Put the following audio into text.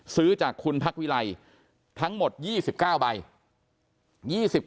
ซื้อจากคุณพักวิไลทั้งหมด๒๙ใบ